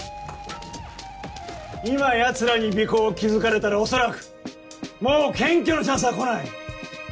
今ヤツらに尾行を気付かれたら恐らくもう検挙のチャンスは来ない。